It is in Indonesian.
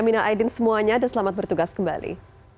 mina aidin semuanya dan selamat bertugas kembali